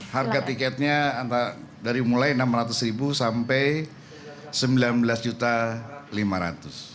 harga tiketnya dari mulai rp enam ratus sampai rp sembilan belas lima ratus